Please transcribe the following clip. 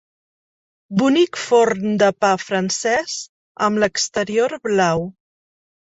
Bonic forn de pa francès amb l'exterior blau.